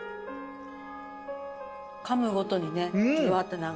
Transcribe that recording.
かむごとにねじゅわって何か。